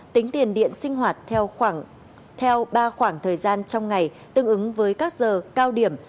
tính tiền điện sinh hoạt theo ba khoảng thời gian trong ngày tương ứng với các giờ cao điểm